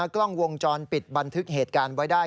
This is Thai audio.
กล้องวงจรปิดบันทึกเหตุการณ์ไว้ได้